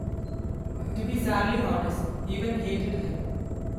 To be sadly honest, even hated her.